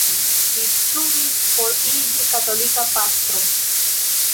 Li studis por iĝi katolika pastro.